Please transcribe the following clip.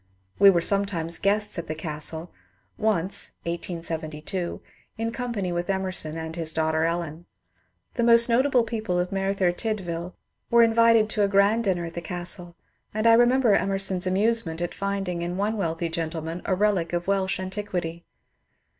We were sometimes guests at the castle, once (1872) in company with Emerson and his daughter Ellen. The most notable people of Merthyr Tydvil were invited to a grand dinner at the castle, and I remember Emerson's amusement at finding in one wealthy gentleman a relic of Welsh anti quity.